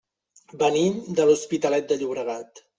Venim de l'Hospitalet de Llobregat.